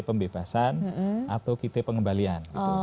pembebasan atau kita pengembalian